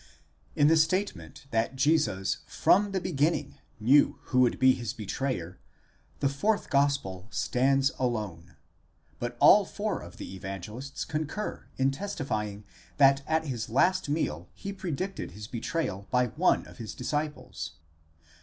In the statement that Jesus from the beginning knew who would be his betrayer, the fourth gospel stands alone; but all four of the Evangelists con cur in testifying that at his last meal he predicted his betrayal by one of his disciples.